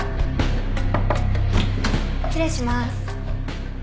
失礼します。